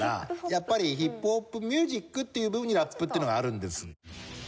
やっぱりヒップホップミュージックっていう部分にラップっていうのがあるんです。